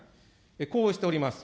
こうしております。